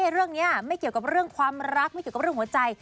เรื่องนี้ไม่เกี่ยวกับเรื่องความรักไม่เกี่ยวกับเรื่องหัวใจ